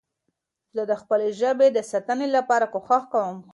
زه د خپلي ژبې د ساتنې لپاره کوښښ کوم.